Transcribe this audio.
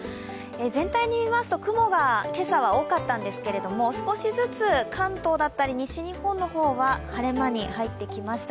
全体に見ますと雲が今朝は多かったんですけれども、少しずつ関東だったり西日本の方は晴れ間に入ってきました。